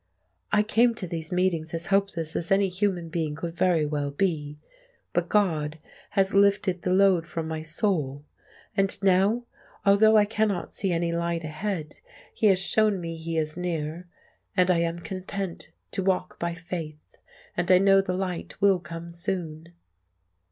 I came to these meetings as hopeless as any human being could very well be; but God has lifted the load from my soul; and now, although I cannot see any light ahead, He has shown me He is near, and I am content to walk by faith. And I know the light will come soon."